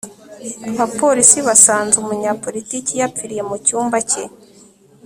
abapolisi basanze umunyapolitiki yapfiriye mu cyumba cye